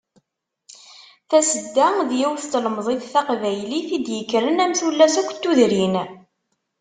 Tasedda, d yiwet n tlemẓit taqbaylit i d-yekkren am tullas akk n tudrin.